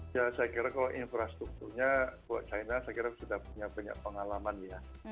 ya saya kira kalau infrastrukturnya buat china saya kira sudah punya banyak pengalaman ya